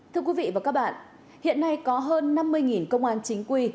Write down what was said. thưa quý vị và các bạn hiện nay có hơn năm mươi công an chính quy